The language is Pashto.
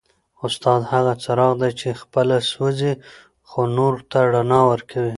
استاد هغه څراغ دی چي خپله سوځي خو نورو ته رڼا ورکوي.